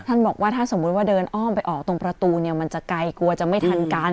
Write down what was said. ท่านบอกว่าถ้าสมมุติว่าเดินอ้อมไปออกตรงประตูเนี่ยมันจะไกลกลัวจะไม่ทันการ